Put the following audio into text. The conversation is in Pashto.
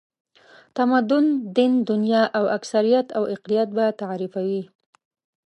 تمدن، دین، دنیا او اکثریت او اقلیت به تعریفوي.